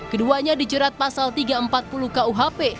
keduanya dijerat pasal tiga ratus empat puluh kuhp